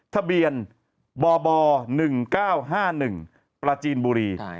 ทะเบียนบ๑๙๕๑ประจีนบุรี